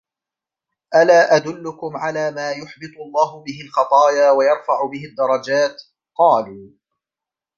أَلَا أَدُلُّكُمْ عَلَى مَا يُحْبِطُ اللَّهُ بِهِ الْخَطَايَا وَيَرْفَعُ بِهِ الدَّرَجَاتِ ؟ قَالُوا